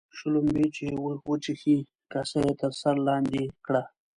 شلومبې چې وچښې ، کاسه يې تر سر لاندي کړه.